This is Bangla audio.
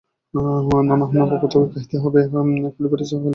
না বাবা, তোমাকে খাইতে হইবে–খালি-পেটে চা খাইলে তোমার অসুখ করে আমি জানি।